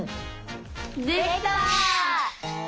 できた！